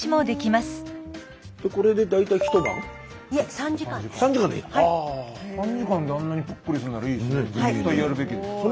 ３時間であんなにぷっくりするならいいですね。